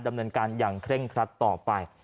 ดำเนินการอย่างเคร่งครัดต่อไป